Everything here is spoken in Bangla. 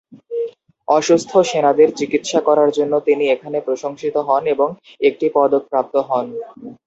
অসুস্থ সেনাদের চিকিৎসা করার জন্য তিনি এখানে প্রশংসিত হন এবং একটি পদক প্রাপ্ত হন।